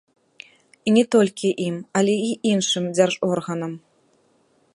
І не толькі ім, але і іншым дзяржорганам.